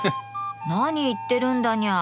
何言ってるんだニャー。